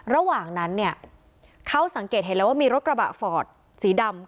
ระหว่างนั้นเนี่ยเขาสังเกตเห็นแล้วว่ามีรถกระบะฟอร์ดสีดำ